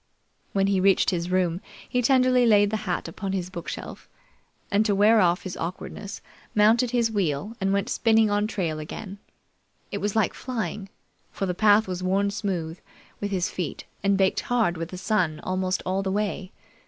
When he reached his room, he tenderly laid the hat upon his bookshelf, and to wear off his awkwardness, mounted his wheel and went spinning on trail again. It was like flying, for the path was worn smooth with his feet and baked hard with the sun almost all the way.